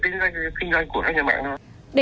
đến kinh doanh của các nhà mạng thôi